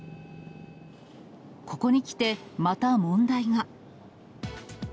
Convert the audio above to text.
ここに来て、また問題が。